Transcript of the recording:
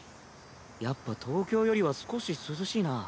やっぱ東京よりは少し涼しいな。